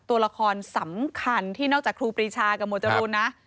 ตัวละครสำคัญที่นอกจากครูปรีชากับหมวดจรูนนะ